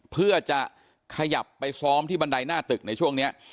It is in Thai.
เพื่อจะขยับไปซ้อมที่บันไดหน้าตึกในช่วงนี้